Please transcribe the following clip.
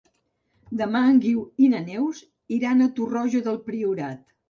Demà en Guiu i na Neus iran a Torroja del Priorat.